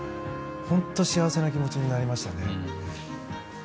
本当、幸せな気持ちになりましたね。